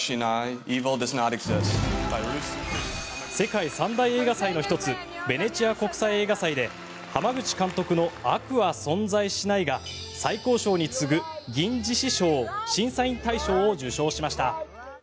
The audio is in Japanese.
世界三大映画祭の１つベネチア国際映画祭で濱口監督の「悪は存在しない」が最高賞に次ぐ銀獅子賞、審査員大賞を受賞しました。